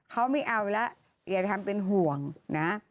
เขาไม่เอาแล้วอย่าทำเป็นห่วงนะ